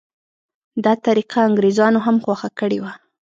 دا طریقه انګریزانو هم خوښه کړې وه.